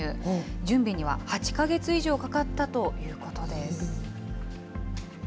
準備には８か月以上かかったということです。